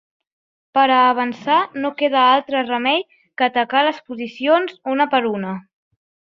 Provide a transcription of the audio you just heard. Per a avançar no queda altre remei que atacar les posicions una per una.